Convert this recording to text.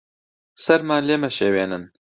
سەرمان لێ مەشێوێنن.